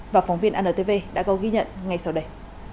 và phóng viên antv đã có ghi nhận ngay sau đây